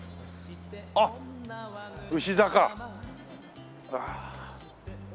あっ「牛坂」。